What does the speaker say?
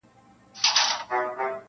• د خان کورته یې راوړې کربلا وه -